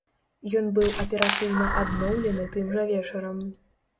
Ён быў аператыўна адноўлены тым жа вечарам.